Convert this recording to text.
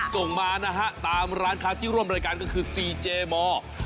ส่งมานะฮะตามร้านค้าที่ร่วมรายการก็คือซีเจมอร์